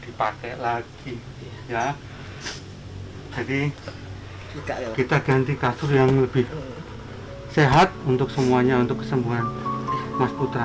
dipakai lagi ya jadi kita ganti kasur yang lebih sehat untuk semuanya untuk kesembuhan mas putra